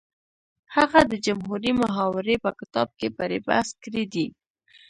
هغه د جمهوري محاورې په کتاب کې پرې بحث کړی دی